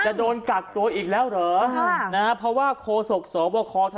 จะโดนกักตัวอีกแล้วเหรอนะฮะนะฮะเพราะว่าโคสกสอบคอฮะ